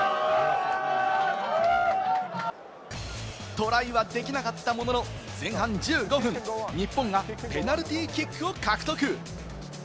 トライはできなかったものの、前半１５分、日本がペナルティーキックを獲得。